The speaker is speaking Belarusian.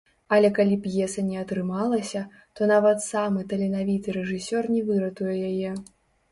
Але калі п'еса не атрымалася, то нават самы таленавіты рэжысёр не выратуе яе.